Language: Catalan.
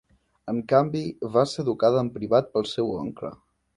En canvi, va ser educada en privat pel seu oncle.